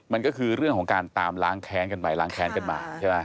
มันก็คือเรื่องของการตามล้างแค้นกันไปล้างแค้นกันมาใช่ไหม